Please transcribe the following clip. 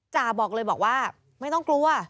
จ่าบอกเลยบอกว่าไม่ต้องกลัว